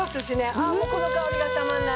ああもうこの香りがたまらない。